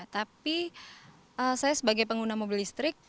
tapi saya sebagai pengguna mobil listrik